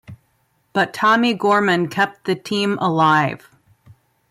But Tommy Gorman kept the team alive.